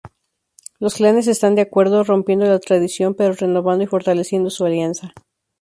Los clanes están de acuerdo, rompiendo la tradición pero renovando y fortaleciendo su alianza.